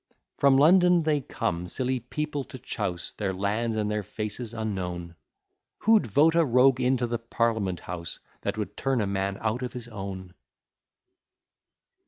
From London they come, silly people to chouse, Their lands and their faces unknown: Who'd vote a rogue into the parliament house, That would turn a man out of his own?